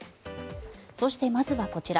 そして、まずはこちら。